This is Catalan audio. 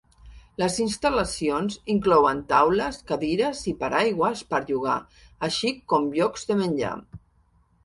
Les instal·lacions inclouen taules, cadires i paraigües per llogar, així com llocs de menjar.